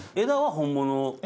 枝は本物？